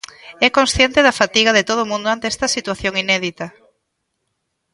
É consciente da fatiga de todo o mundo ante esta situación inédita.